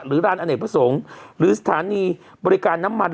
ร้านอเนกประสงค์หรือสถานีบริการน้ำมัน